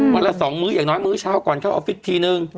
วันละ๒มื้ออย่างน้อยมื้อเช้าก่อนเข้าออฟฟิศทีนึง